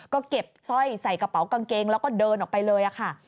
ก็เก็บสร้อยใส่กระเป๋ากางเกงแล้วก็เดินออกไปเลยค่ะ